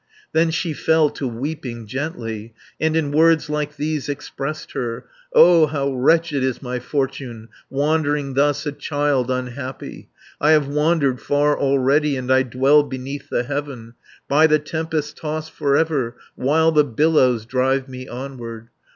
150 Then she fell to weeping gently, And in words like these expressed her: "O how wretched is my fortune, Wandering thus, a child unhappy! I have wandered far already, And I dwell beneath the heaven, By the tempest tossed for ever, While the billows drive me onward.